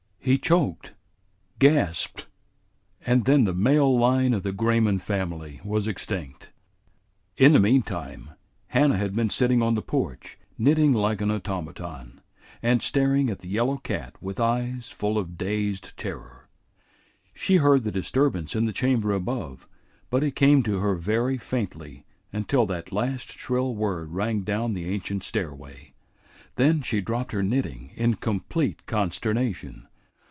He choked, gasped, and then the male line of the Grayman family was extinct. In the meantime Hannah had been sitting on the porch, knitting like an automaton, and staring at the yellow cat with eyes full of dazed terror. She heard the disturbance in the chamber above, but it came to her very faintly until that last shrill word rang down the ancient stairway. Then she dropped her knitting in complete consternation.